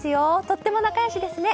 とても仲良しですね。